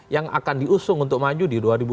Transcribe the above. yang akan diusung untuk maju di dua ribu dua puluh